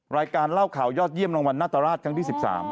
รายการเล่าข่าวยอดเยี่ยมรางวัลนาตราชครั้งที่๑๓